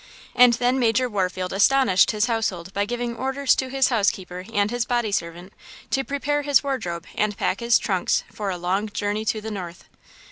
And then Major Warfield astonished his household by giving orders to his housekeeper and his body servant to prepare his wardrobe and pack his trunks for a long journey to the north.